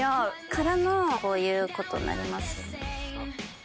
からのこういうことになります。